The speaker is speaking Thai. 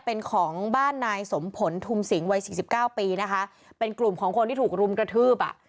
เป็นของบ้านนายสมผลทุมสิงวัยสี่สิบเก้าปีนะคะเป็นกลุ่มของคนที่ถูกรุมกระทืบอ่ะ